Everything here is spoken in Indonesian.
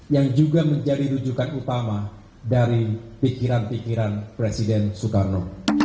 yang juga menjadi rujukan utama dari pikiran pikiran presiden soekarno